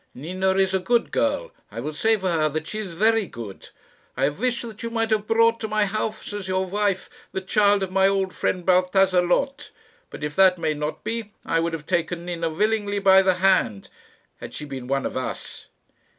"Nina is a good girl. I will say for her that she is very good. I have wished that you might have brought to my house as your wife the child of my old friend Baltazar Loth; but if that may not be, I would have taken Nina willingly by the hand had she been one of us."